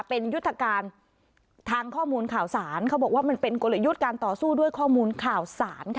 เป็นยุทธการทางข้อมูลข่าวสารเขาบอกว่ามันเป็นกลยุทธ์การต่อสู้ด้วยข้อมูลข่าวสารค่ะ